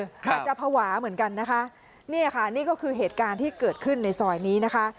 อาจจะภาวะเหมือนกันนะคะเนี่ยค่ะนี่ก็คือเหตุการณ์ที่เกิดขึ้นในซอยนี้นะคะ